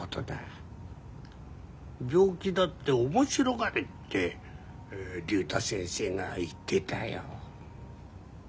病気だって面白がれって竜太先生が言ってたよ。